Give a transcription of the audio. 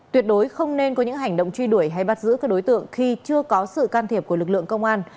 tuyệt đối không nên có những hành động truy đuổi hay bắt giữ các đối tượng khi chưa có sự can thiệp của lực lượng công an